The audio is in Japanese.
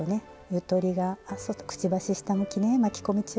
ゆとりがくちばし下向きね巻き込み注意ですよ。